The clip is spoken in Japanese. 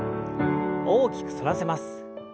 大きく反らせます。